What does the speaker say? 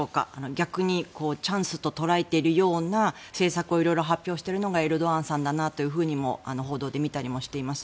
逆にチャンスと捉えているような政策を色々発表しているのがエルドアンさんだなと報道で見たりもしています。